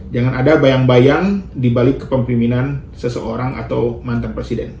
jangan ada bayang bayang di balik kepemimpinan seseorang atau mantan presiden